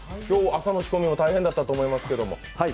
今日、朝の仕込みも大変だったと思いますけれども。